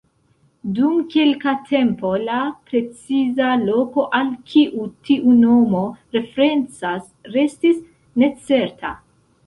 Dum kelka tempo la preciza loko al kiu tiu nomo referencas restis necerta.